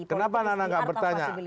kenapa nana nggak bertanya